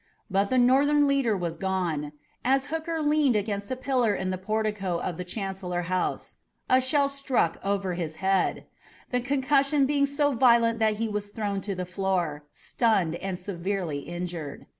But the Northern leader was gone. As Hooker leaned against a pillar in the portico of the Chancellor House a shell struck it over his head, the concussion being so violent that he was thrown to the floor, stunned and severely injured.